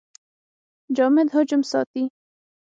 جامد حجم ساتي.